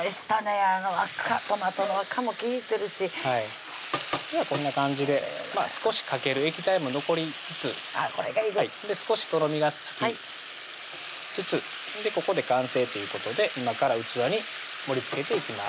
あの赤トマトの赤も利いてるしはいではこんな感じで少しかける液体も残りつつこれがいい少しとろみがつきつつここで完成ということで今から器に盛りつけていきます